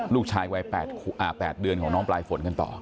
ลูกชายวัย๘เดือนของน้องปลายฝนกันต่อ